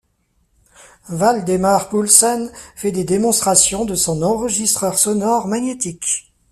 Valdemar Poulsen fait des démonstrations de son enregistreur sonore magnétique.